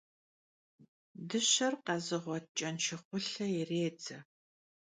Dışer khezığuet ç'enşşığulhe yirêdze.